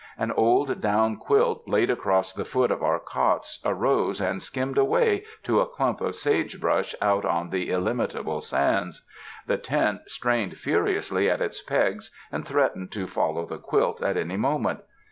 An old down quilt laid across the foot of our cots, arose and skimmed away to a clump of sage brush out on the illimitable sands. The tent strained furiously at its pegs and threatened to fol low the quilt at any moment.